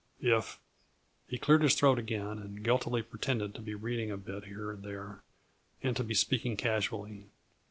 If " He cleared his throat again and guiltily pretended to be reading a bit, here and there, and to be speaking casually.